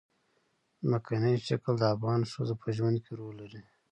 ځمکنی شکل د افغان ښځو په ژوند کې رول لري.